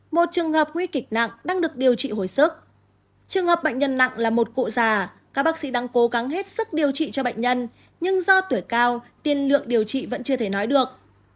một trường hợp nguy kịch nặng đang được điều trị hồi sức trường hợp bệnh nhân nặng là một cụ già các bác sĩ đang cố gắng hết sức điều trị cho bệnh nhân nhưng do tuổi cao tiên lượng điều trị vẫn chưa thể nói được